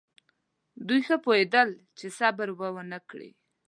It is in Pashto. دوی ښه پوهېدل چې صبر به ونه کړي.